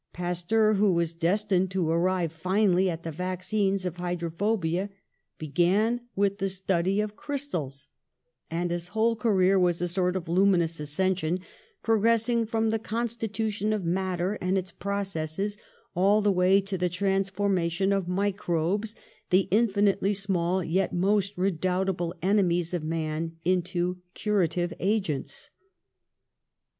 Pasteur, who was destined to arrive finally at the vaccines of hydrophobia, began with the study of crystals, and his whole career was a sort of luminous ascension, progressing, from the constitution of matter and its processes, all the way to the transformation of microbes, the infinitely small yet most redoubtable enemies of man, into curative agents.